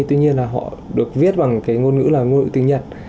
tuy nhiên là họ được viết bằng cái ngôn ngữ là ngôn ngữ tiếng nhật